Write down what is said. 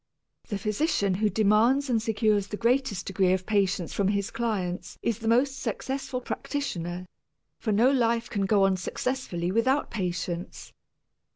The physician who demands and secures the greatest degree of patience from his clients is the most successful practitioner, for no life can go on successfully without patience.